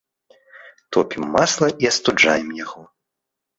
Топім масла і астуджаем яго.